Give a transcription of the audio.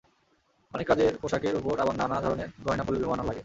অনেক কাজের পোশাকের ওপর আবার নানা ধরনের গয়না পরলে বেমানান লাগে।